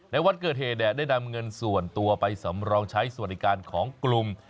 ในวันเกิดเหตุได้นำเงินส่วนตัวไปสำรองใช้สวัสดิการของกลุ่ม